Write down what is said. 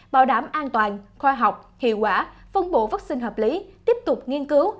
bảo đảm an toàn khoa học hiệu quả phân bổ vaccine hợp lý tiếp tục nghiên cứu